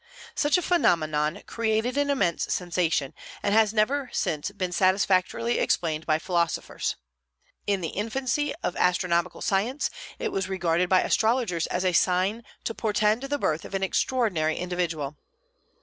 Such a phenomenon created an immense sensation, and has never since been satisfactorily explained by philosophers. In the infancy of astronomical science it was regarded by astrologers as a sign to portend the birth of an extraordinary individual.